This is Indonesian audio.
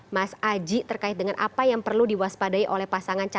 tetaplah bersama kami di layar pemilu terpercaya